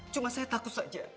cuma saya takut saja